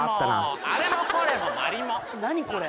何これ？